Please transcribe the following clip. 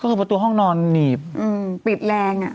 ก็คือประตูห้องนอนหนีบปิดแรง